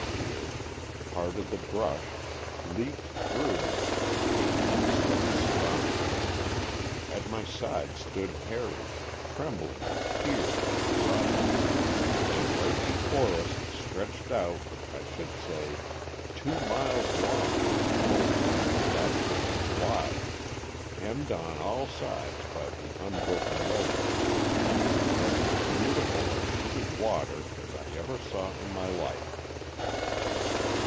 appear, parted the brush, leaped through — and came to a sudden stop. At my side stood Harry, trembling with fear and exhaustion, and right before us stretched out, I should say, two miles long and fully half of that distance wide, hemmed on all sides by the un broken wilderness, was as beautiful a sheet of water as I ever saw in my life.